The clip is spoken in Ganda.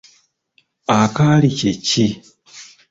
Akaali kye ki ?